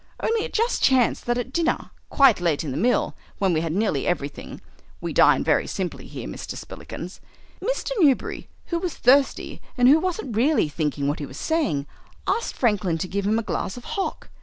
Only it just chanced that at dinner, quite late in the meal, when we had had nearly everything (we dine very simply here, Mr. Spillikins), Mr. Newberry, who was thirsty and who wasn't really thinking what he was saying, asked Franklin to give him a glass of hock.